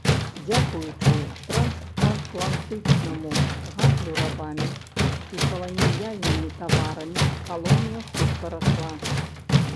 Дзякуючы трансатлантычнаму гандлю рабамі і каланіяльнымі таварамі калонія хутка расла.